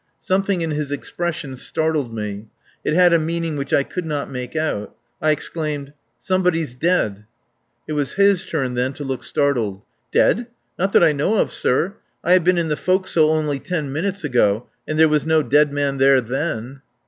Something in his expression startled me. It had a meaning which I could not make out. I exclaimed: "Somebody's dead." It was his turn then to look startled. "Dead? Not that I know of, sir. I have been in the forecastle only ten minutes ago and there was no dead man there then."